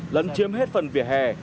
lấn chiếm hết phần vỉa hè